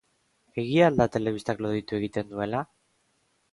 Egia al da telebistak loditu egiten duela?